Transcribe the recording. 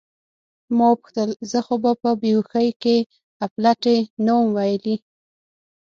ما وپوښتل: زه خو به په بې هوښۍ کې اپلتې نه وم ویلي؟